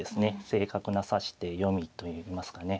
正確な指し手読みといいますかね